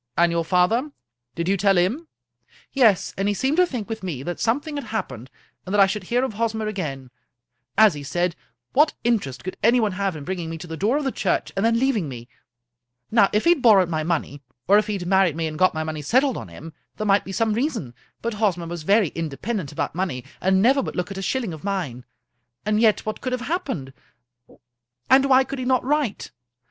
" And your father ? Did you tell him ?"" Yes, and he seemed to think, with me, that something had happened, and that I should hear of Hosmer again. SO A. Conan Doyle As he said, what interest could anyone have in bringing me to the door of the church, and then leaving me ? Now, if he had borrowed my money, or if he had married me and got my money settled on him, there might be some reason ; but Hosmer was very independent about money, and never would look at a shilling of mine. And yet what could have happened? And why could he not write?